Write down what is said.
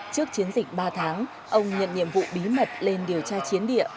trước chiến dịch ba tháng ông nhận nhiệm vụ bí mật lên điều tra chiến địa